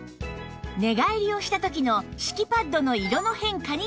寝返りをした時の敷きパッドの色の変化に注目